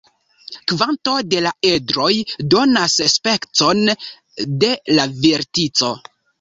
Kvanto da la edroj donas specon de la vertico.